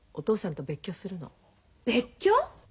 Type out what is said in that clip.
別居！？